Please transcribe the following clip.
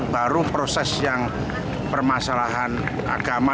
baru proses yang permasalahan agama